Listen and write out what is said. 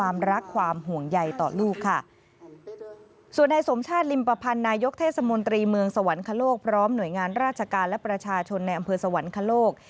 ส่วนในสมชาติลิมประพันธ์นายกเทศมนตรีเมืองสวรรคโลกพร้อมหน่วยงานราชการและประชาชนในอำเภอสวรรคโลก